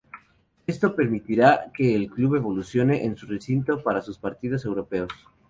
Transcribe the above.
Esto permitirá que el club evolucione en su recinto para sus partidos europeos.